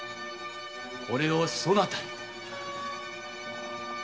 これをそなたにと。